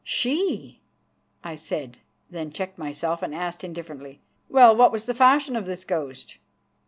"She!" I said, then checked myself and asked indifferently: "Well, what was the fashion of this ghost?"